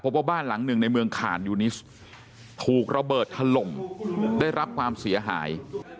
บ้านหลังหนึ่งในเมืองข่านยูนิสถูกระเบิดถล่มได้รับความเสียหาย